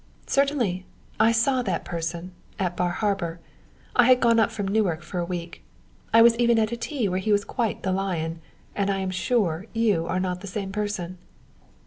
"Certainly. I saw that person at Bar Harbor. I had gone up from Newport for a week I was even at a tea where he was quite the lion, and I am sure you are not the same person."